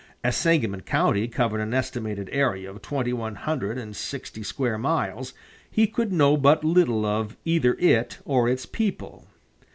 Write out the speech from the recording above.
As Sangamon County covered an estimated area of twenty one hundred and sixty square miles, he could know but little of either it or its people.